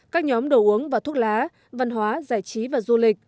các nhóm đồ uống và thuốc lá văn hóa giải trí và du lịch